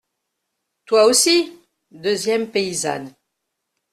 Toi aussi. deuxième paysanne.